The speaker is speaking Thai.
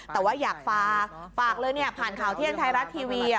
แต่ว่าอยากฝากเลยเนี่ยผ่านข่าวเที่ยงไทยรัฐทีวี